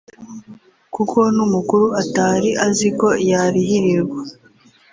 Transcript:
kuko n’umukuru atari aziko yarihirirwa